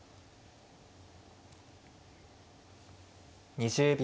２０秒。